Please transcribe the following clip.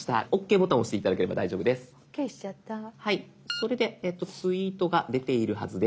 それでツイートが出ているはずです。